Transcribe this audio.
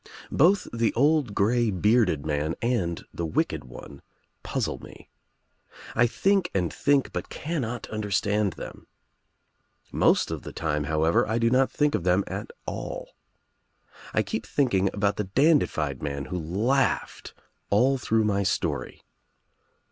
Both the old grey bearded man and the wicked one puzzle me. I think and think but cannot understand them. Most of the time however I do not think of them at aU. I keep thinking about the dandified man who laughed all through my story.